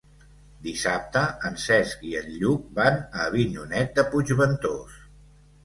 Dissabte en Cesc i en Lluc van a Avinyonet de Puigventós.